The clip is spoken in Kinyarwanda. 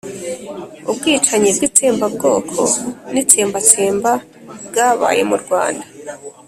ubwicanyi bw'itsembabwoko n'itsembatsemba bwabaye mu rwanda